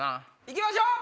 行きましょう！